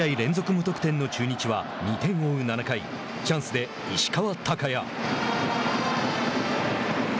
無得点の中日は２点を追う７回チャンスで石川昂弥。